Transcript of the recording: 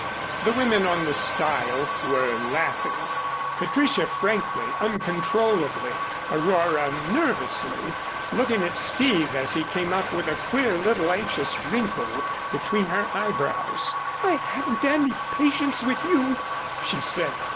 The women on the stile were laughing, Patricia frankly, uncontrollably, Aurora nervously, looking at Steve as he came up with a queer little anxious wrinkle between her eyebrows. "I haven't any patience with you," she said.